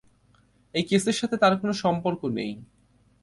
এই কেসের সাথে তার কোনো সম্পর্ক নেই।